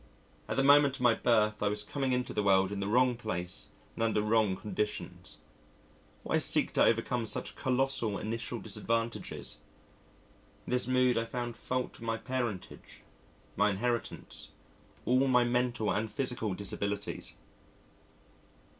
At the moment of my birth I was coming into the world in the wrong place and under wrong conditions. Why seek to overcome such colossal initial disadvantages? In this mood I found fault with my parentage, my inheritance, all my mental and physical disabilities....